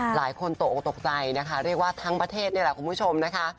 หลายคนตกออกตกใจนะคะเรียกว่าทั้งประเทศนี่แหละคุณผู้ชมนะคะ